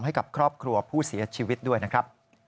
ให้กับครอบครัวผู้เสียชีวิตด้วยนะครับ